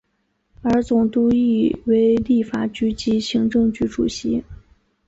而总督亦为立法局及行政局主席。